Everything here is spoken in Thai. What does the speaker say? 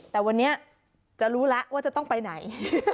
แต่วันนี้จะรู้แล้วว่าจะต้องไปไหน